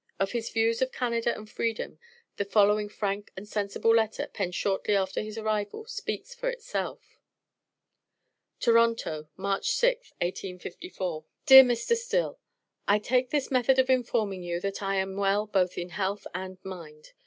Of his views of Canada and Freedom, the following frank and sensible letter, penned shortly after his arrival, speaks for itself TORONTO, March 6th, 1854. DEAR MR. STILL: I take this method of informing you that I am well both in health and mind.